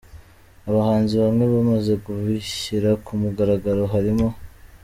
Abahanzi bamwe bamaze kubishyira kumugaragaro harimo :.